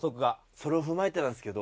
それを踏まえてなんですけど。